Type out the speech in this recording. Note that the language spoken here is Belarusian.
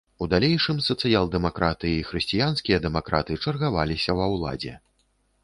У далейшым сацыял-дэмакраты і хрысціянскія дэмакраты чаргаваліся ва ўладзе.